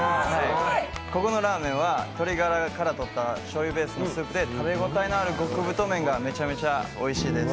ここのラーメンは鶏ガラからとったしょうゆベースのスープで、食べ応えのある極太麺がめちゃめちゃおいしいです。